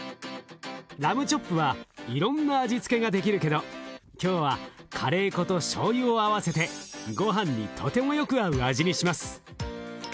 ラムチョップはいろんな味付けができるけど今日はカレー粉としょうゆを合わせてごはんにとてもよく合う味にします。